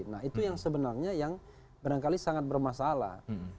nah itu yang sebenarnya yang barangkali sangat bermasalah